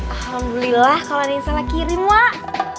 alhamdulillah kalo ada yang salah kirim wak